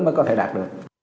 mới có thể đạt được